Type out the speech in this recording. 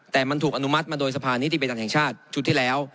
แต่มันถูกอนุมัติมาโดยสภานิติบัญญัติแห่งชาติชุดที่แล้ว